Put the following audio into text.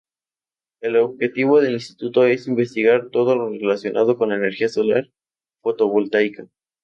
El objetivo del instituto es investigar todo lo relacionado con la energía solar fotovoltaica.